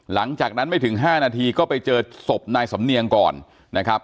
หลังจากนั้นไม่ถึง๕นาทีก็ไปเจอศพนายสำเนียงก่อนนะครับ